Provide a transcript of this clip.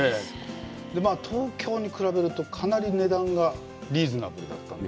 東京に比べると、かなり値段がリーズナブルだったので。